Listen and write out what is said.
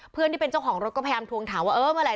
เพื่อนที่เป็นเจ้าของรถก็พยายามถวงถามว่าเออมาไหมละ